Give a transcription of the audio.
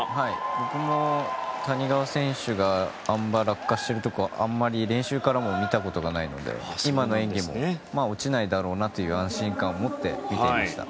僕も谷川選手があん馬、落下しているところはあんまり練習からも見たことがないので、今の演技も落ちないだろうなという安心感を持って見ていました。